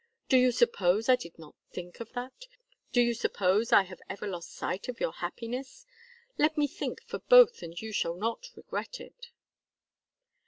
Do you suppose I did not think of that? Do you suppose I have ever lost sight of your happiness? Let me think for both and you shall not regret it."